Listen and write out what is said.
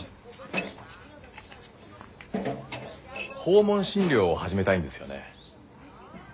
訪問診療を始めたいんですよね。